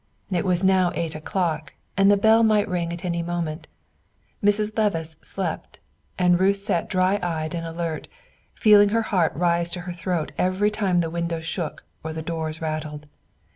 It was now eight o'clock, and the bell might ring at any moment. Mrs. Levice slept; and Ruth sat dry eyed and alert, feeling her heart rise to her throat every time the windows shook or the doors rattled.